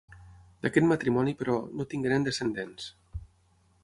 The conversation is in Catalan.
D'aquest matrimoni, però, no tingueren descendents.